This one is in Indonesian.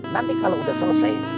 nanti kalau udah selesai